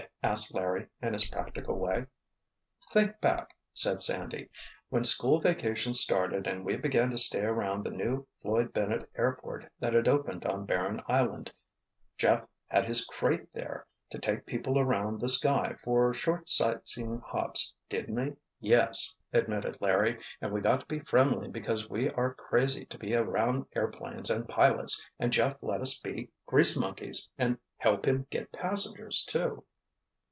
asked Larry, in his practical way. "Think back," said Sandy. "When school vacations started and we began to stay around the new Floyd Bennett airport that had opened on Barren Island, Jeff had his 'crate' there to take people around the sky for short sight seeing hops, didn't he?" "Yes," admitted Larry, "and we got to be friendly because we are crazy to be around airplanes and pilots, and Jeff let us be 'grease monkeys' and help him get passengers, too."